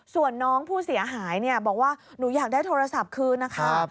ส่วนน้องผู้เสียหายบอกว่าหนูอยากได้โทรศัพท์คืนนะคะ